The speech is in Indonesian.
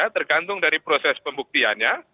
tergantung dari proses pembuktiannya